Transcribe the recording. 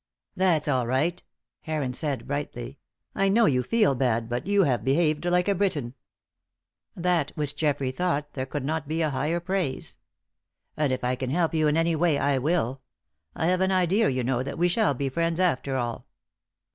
"That's all right," Heron said, brightly. "I know you feel bad, but you have behaved like a Briton." Than which Geoffrey thought there could not be higher praise. "And if I can help you in any way I will. I have an idea, you know, that we shall be friends, after all."